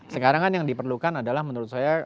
sekarang kan yang diperlukan adalah menurut saya